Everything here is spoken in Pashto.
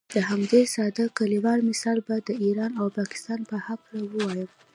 د همدې ساده کلیوال مثال به د ایران او پاکستان په هکله ووایم.